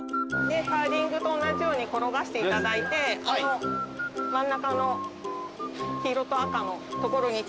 カーリングと同じように転がしていただいて真ん中の黄色と赤の所に近い人が。